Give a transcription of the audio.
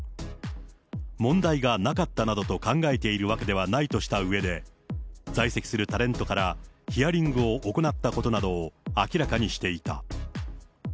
問題がなかったなどと考えているわけではないとしたうえで、在籍するタレントからヒアリングを行ったことなどを明らかにしていた。